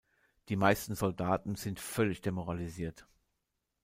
Die meisten Soldaten sind völlig demoralisiert.